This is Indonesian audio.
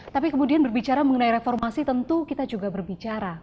tapi kemudian berbicara mengenai reformasi tentu kita juga berbicara